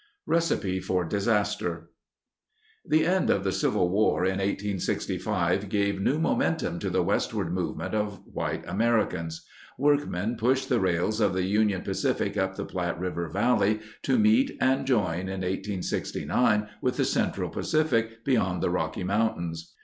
Recipe for Disaster The end of the Civil War in 1865 gave new momen tum to the westward movement of white Americans. Workmen pushed the rails of the Union Pacific up the Platte River Valley to meet and join in 1869 with the Central Pacific beyond the Rocky Mountains.